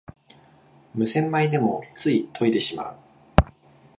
無洗米でもつい研いでしまう